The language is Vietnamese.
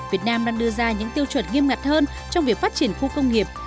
việt nam đang đưa ra những tiêu chuẩn nghiêm ngặt hơn trong việc phát triển khu công nghiệp